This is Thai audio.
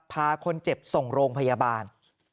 พาคนเจ็บส่งโรงพยาบาล